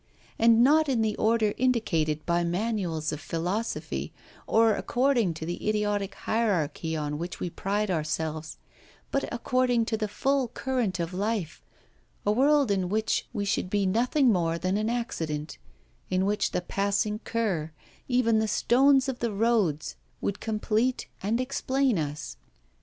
And not in the order indicated by manuals of philosophy, or according to the idiotic hierarchy on which we pride ourselves, but according to the full current of life; a world in which we should be nothing more than an accident, in which the passing cur, even the stones of the roads, would complete and explain us.